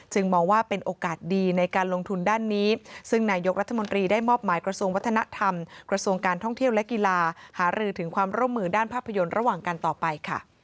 มองว่าเป็นโอกาสดีในการลงทุนด้านนี้ซึ่งนายกรัฐมนตรีได้มอบหมายกระทรวงวัฒนธรรมกระทรวงการท่องเที่ยวและกีฬาหารือถึงความร่วมมือด้านภาพยนตร์ระหว่างกันต่อไปค่ะ